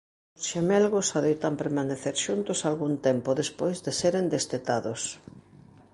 Os xemelgos adoitan permanecer xuntos algún tempo despois de seren destetados.